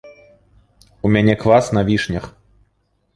У мяне квас на вішнях.